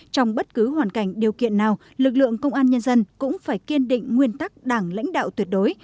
trong bất cứ hoàn cảnh điều kiện nào lực lượng công an nhân dân cũng phải kiên định nguyên tắc đảng lãnh đạo tuyệt đối